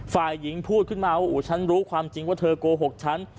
ฝ่ายหญิงพูดขึ้นมาว่าอู๋ฉันรู้ความจริงว่าเธอโกหกฉัน